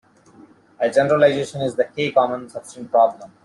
A generalization is the k-common substring problem.